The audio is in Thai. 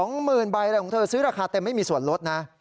หมื่นใบอะไรของเธอซื้อราคาเต็มไม่มีส่วนลดนะ